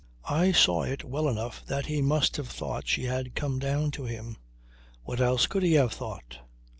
I saw it well enough that he must have thought she had come down to him. What else could he have thought?